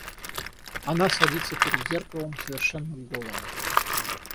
Она садится перед зеркалом совершенно голая...